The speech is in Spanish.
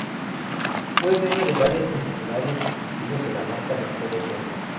Fue dueño de varias concesionarias exclusivos de la marca Mercedes-benz.